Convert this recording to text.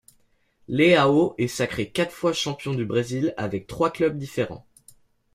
Leão est sacré quatre fois champion du Brésil avec trois clubs différents.